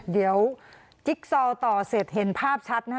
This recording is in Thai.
เดี๋ยวจิ๊กซอลต่อเสร็จเห็นภาพชัดนะฮะ